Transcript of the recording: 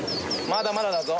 まだまだだぞ。